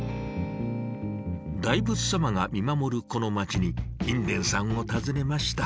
大仏様が見守るこの街に印田さんを訪ねました。